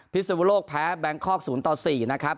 พิศวโลกแพ้แบงคอก๐๔นะครับ